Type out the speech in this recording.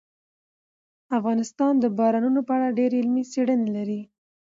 افغانستان د بارانونو په اړه ډېرې علمي څېړنې لري.